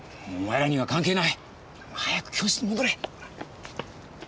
お前らには関係ない。早く教室に戻れ。